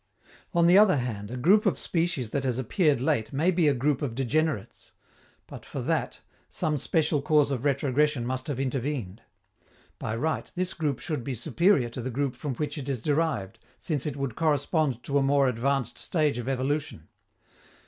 On the other hand, a group of species that has appeared late may be a group of degenerates; but, for that, some special cause of retrogression must have intervened. By right, this group should be superior to the group from which it is derived, since it would correspond to a more advanced stage of evolution.